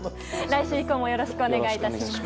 来週以降もよろしくお願いいたします。